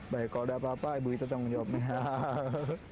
baik kalau ada apa apa ibu gita yang menjawabnya